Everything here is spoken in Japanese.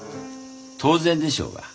当然でしょうが。